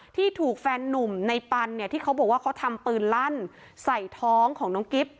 ที่ถูกแฟนนุ่มในปันเนี่ยที่เขาบอกว่าเขาทำปืนลั่นใส่ท้องของน้องกิ๊บ